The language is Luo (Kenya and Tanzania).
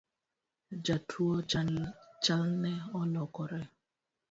Jatuo chalne olokore